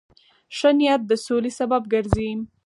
ښه نیت د سولې سبب ګرځي.